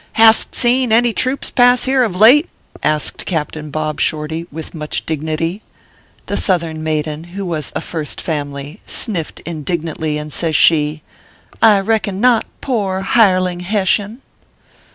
" Hast seen any troops pass here of late ?" asked Captain Bob Shorty, with much dignity. The Southern maiden, who was a First Family, sniffed indignantly, and says she :" I reckon not, poor hireling Hessian."